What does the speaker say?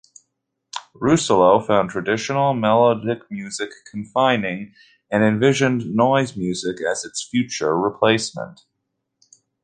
Russolo found traditional melodic music confining and envisioned noise music as its future replacement.